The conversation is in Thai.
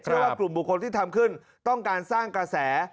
เพราะว่ากลุ่มบุคคลที่ทำขึ้นต้องการสร้างกระแส